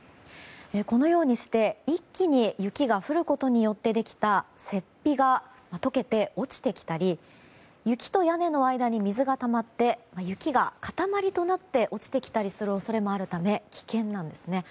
このようにして、一気に雪が降ることによってできた雪庇が解けて落ちてきたり雪と屋根の間に水がたまって雪が塊となって落ちてきたりする恐れもあるため危険なんですね。